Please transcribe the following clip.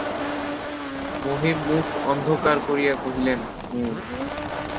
মহিম মুখ অন্ধকার করিয়া কহিলেন, হুঁ।